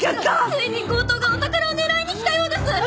ついに強盗がお宝を狙いに来たようです！